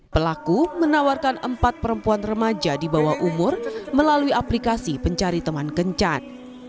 pelaku menawarkan empat perempuan remaja di bawah umur melalui aplikasi pencari teman kencan